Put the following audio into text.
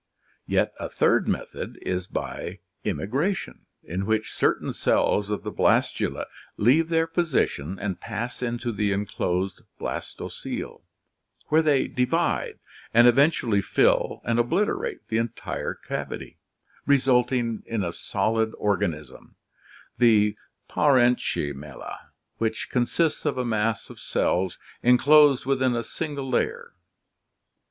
Yet a third method is by immigration, in which certain cells of the blastula leave their position and pass into the enclosed blastocoele, where they divide and eventually fill and obliterate the entire cavity, resulting in a solid organism, the parenchymella, which consists of a mass of cells enclosed within a single layer.